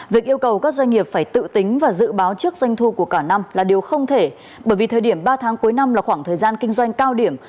việc yêu cầu các doanh nghiệp phải tự tính và dự báo trước doanh thu của cả năm là điều không thể bởi vì thời điểm ba tháng cuối năm là khoảng thời gian kinh doanh cao điểm